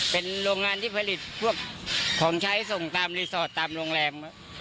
เป็นโรงงานที่ผลิตพวกของใช้ส่งตามรีสอร์ทตามโรงแรม